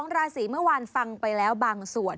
ราศีเมื่อวานฟังไปแล้วบางส่วน